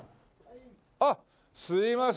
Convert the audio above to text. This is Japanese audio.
あっすいません。